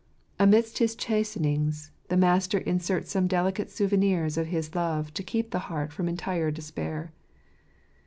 Amidst his chastenings, the Master inserts some delicate souvenirs of his love to keep the heart from entire despair.